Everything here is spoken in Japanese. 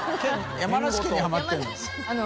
山梨県にハマってるの？